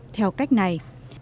theo cách này